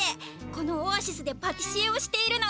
このオアシスでパティシエをしているの。